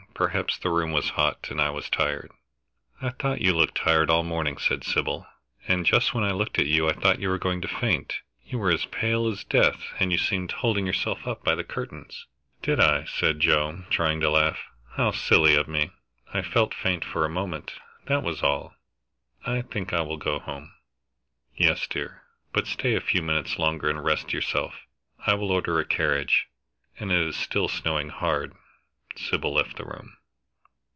Perhaps the room was hot, and I was tired." "I thought you looked tired all the morning," said Sybil, "and just when I looked at you I thought you were going to faint. You were as pale as death, and you seemed holding yourself up by the curtains." "Did I?" said Joe, trying to laugh. "How silly of me! I felt faint for a moment that was all. I think I will go home." "Yes, dear but stay a few minutes longer and rest yourself. I will order a carriage it is still snowing hard." Sybil left the room.